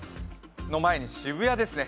その前に渋谷ですね。